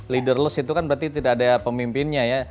leaderless itu kan berarti tidak ada pemimpinnya ya